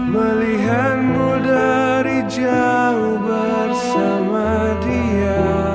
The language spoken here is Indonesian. melihatmu dari jauh bersama dia